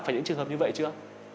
phải những trường hợp như vậy chưa